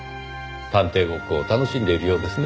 探偵ごっこを楽しんでいるようですねぇ。